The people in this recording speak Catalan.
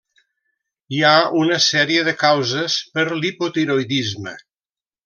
Hi ha una sèrie de causes per l'hipotiroïdisme.